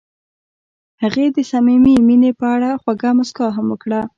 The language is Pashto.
هغې د صمیمي مینه په اړه خوږه موسکا هم وکړه.